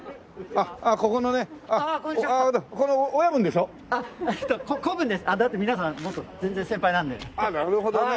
あっなるほどね。